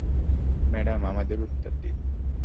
Madam, আমাদের উত্তর দিন।